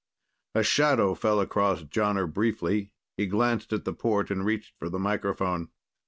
A shadow fell across Jonner briefly. He glanced at the port and reached for the microphone.